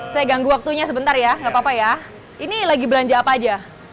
saya ganggu waktunya sebentar ya nggak apa apa ya ini lagi belanja apa aja